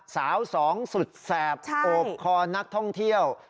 สองสุดแสบโอบคอนักท่องเที่ยว